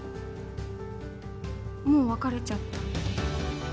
もう別れちゃった。